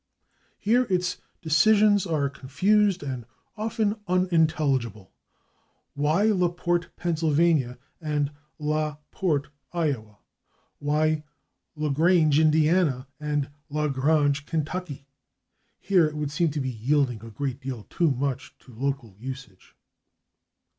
Here its decisions are confused and often unintelligible. Why /Laporte/, Pa., and /La Porte/, Iowa? Why /Lagrange/, Ind., and /La Grange/, Ky.? Here it would seem to be yielding a great deal too much to local usage.